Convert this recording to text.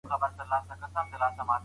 فعال ګډون د پوهي کچه ژوروي.